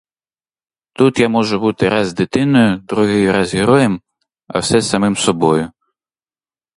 Тут я можу бути раз дитиною, другий раз героєм, а все самим собою.